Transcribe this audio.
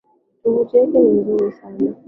Tovuti yake ni nzuri sana.